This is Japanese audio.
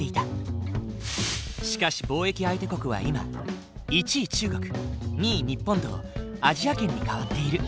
しかし貿易相手国は今１位中国２位日本とアジア圏に変わっている。